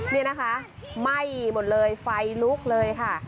นี่นะคะไหม้หมดเลยไฟลุกเลยค่ะ